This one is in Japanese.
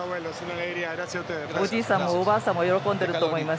おじいさんもおばあさんも喜んでいると思います。